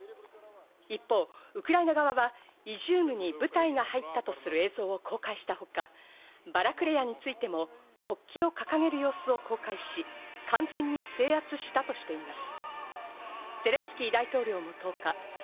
一方、ウクライナ側はイジュームに部隊が入ったとする映像を公開したほか、バラクレヤについても国旗を掲げる様子を公開し、完全に制圧したとしています。